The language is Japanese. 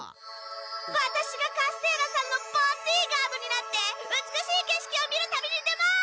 ワタシがカステーラさんのボディーガードになって美しいけしきを見る旅に出ます！